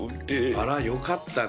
あらよかったね。